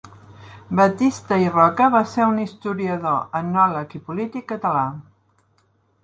Batista i Roca va ser un historiador, etnòleg i polític català.